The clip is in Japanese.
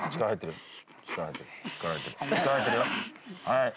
はい。